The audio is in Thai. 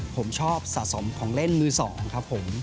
ผมชอบสะสมของเล่นมือสองครับผม